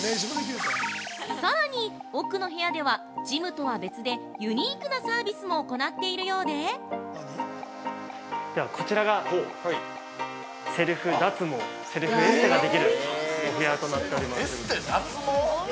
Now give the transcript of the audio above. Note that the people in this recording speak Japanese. ◆さらに、奥の部屋ではジムとは別でユニークなサービスも行っているようで◆こちらが、セルフ脱毛セルフエステができるお部屋となっております。